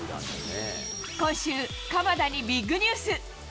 今週、鎌田にビッグニュース。